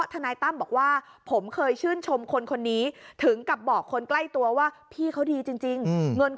ทนายตั้มใช้คำนี้มึงนี่โคตรเลกกว่าใครอีก